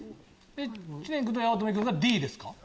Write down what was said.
知念君と八乙女君がＤですか。